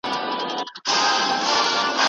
که کتابتون ته لاړ شو نو معلومات نه کمیږي.